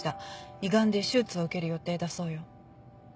胃がんで手術を受ける予定だそうよ。